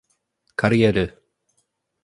Kariery